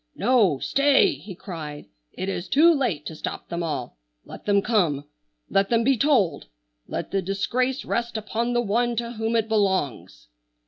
"No, stay!" he cried. "It is too late to stop them all. Let them come. Let them be told! Let the disgrace rest upon the one to whom it belongs!"